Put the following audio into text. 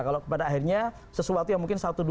kalau pada akhirnya sesuatu yang mungkin